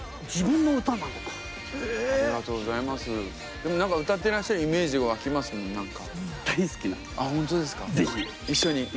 でも何か歌ってらっしゃるイメージ湧きますもん何か。